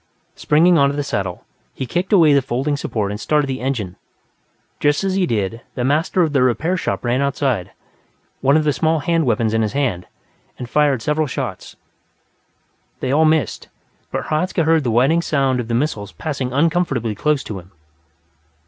Springing onto the saddle, he kicked away the folding support and started the engine. Just as he did, the master of the repair shop ran outside, one of the small hand weapons in his hand, and fired several shots. They all missed, but Hradzka heard the whining sound of the missiles passing uncomfortably close to him.